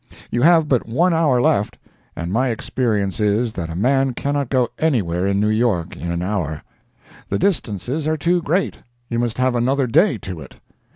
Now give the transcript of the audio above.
You have but one hour left, and my experience is that a man cannot go anywhere in New York in an hour. The distances are too great—you must have another day to it.